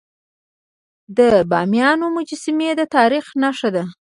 د بامیانو مجسمي د تاریخ نښه ده.